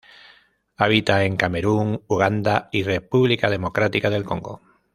Habita en Camerún, Uganda y República Democrática del Congo.